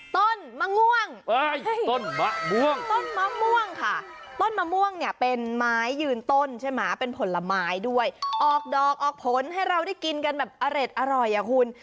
ต้นมะม่วงต้นมะม่วงต้นมะม่วงค่ะต้นมะม่วงเนี่ยเป็นไม้ยืนต้นใช่ไหมเป็นผลไม้ด้วยออกดอกออกผลให้เราได้กินกันแบบอร็ดอร่อยอ่ะคุณ